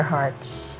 rumah baru kamu